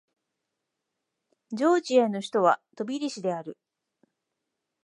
ジョージアの首都はトビリシである